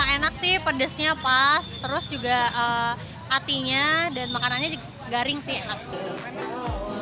enak sih pedasnya pas terus juga hatinya dan makanannya garing sih enak